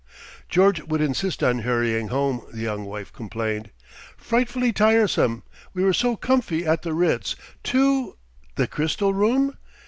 "George would insist on hurrying home," the young wife complained. "Frightfully tiresome. We were so comfy at the Ritz, too...." "The Crystal Room?"